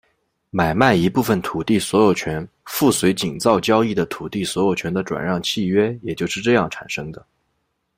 买卖一部分土地所有权附随井灶交易的土地所有权的转让契约也就是这样产生的。